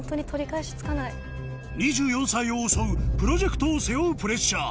２４歳を襲うプロジェクトを背負うプレッシャー